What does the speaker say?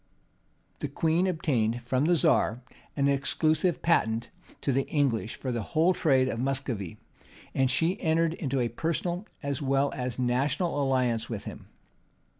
The queen obtained from the czar an exclusive patent to the English for the whole trade of Muscovy;[*] and she entered into a personal as well as national alliance with him.